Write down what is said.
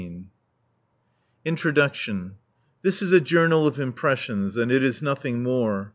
INTRODUCTION This is a "Journal of Impressions," and it is nothing more.